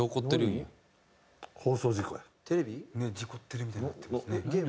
「ねえ。事故ってるみたいになってますね」